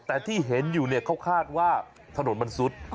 แต่ที่เห็นอยู่เนี่ยเขาคาดว่าถนนมันซุด